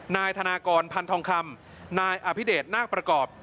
นายธนากรพันธองคำนายอภิเดชนาคประกอบ